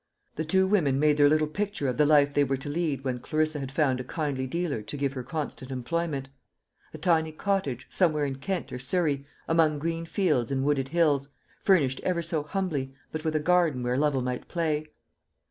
The two women made their little picture of the life they were to lead when Clarissa had found a kindly dealer to give her constant employment: a tiny cottage, somewhere in Kent or Surrey, among green fields and wooded hills, furnished ever so humbly, but with a garden where Lovel might play.